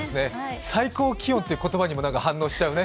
最高気温という言葉にもなんか反応しちゃうね。